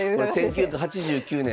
１９８９年